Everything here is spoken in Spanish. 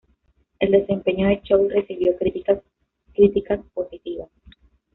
El desempeño de Choi recibió críticas críticas positivas.